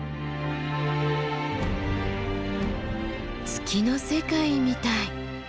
月の世界みたい。